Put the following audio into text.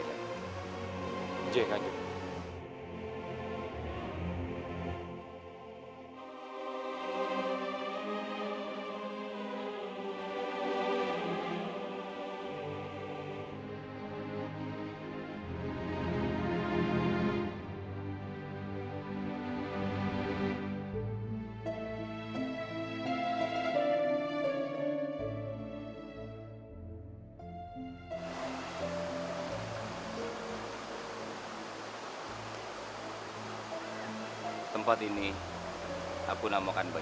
dan allah akan memanangkan kita